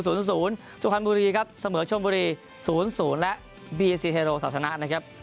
สุพรรณบุรีครับเสมอชนบุรี๐๐และบีซีเทโรศาสนานะครับ